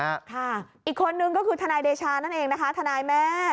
ค่ะอีกคนนึงก็คือทนายเดชานั่นเองนะคะทนายแม่